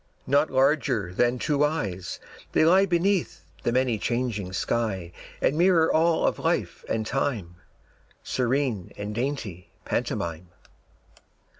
Not larger than two eyes, they lie Beneath the many changing sky And mirror all of life and time, Serene and dainty pantomime.